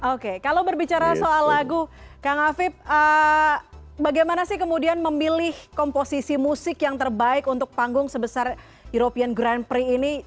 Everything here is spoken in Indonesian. oke kalau berbicara soal lagu kang afib bagaimana sih kemudian memilih komposisi musik yang terbaik untuk panggung sebesar european grand prix ini